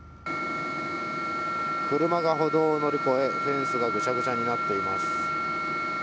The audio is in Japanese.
車が歩道を乗り越え、フェンスがぐしゃぐしゃになっています。